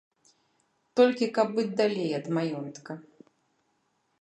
Толькі каб быць далей ад маёнтка.